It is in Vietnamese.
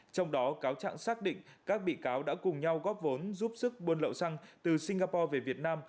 trong đó cáo trạng xác định các bị cáo đã cùng nhau góp vốn giúp sức buôn lậu xăng từ singapore về việt nam